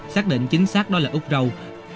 xác định chính xác đó là úc râu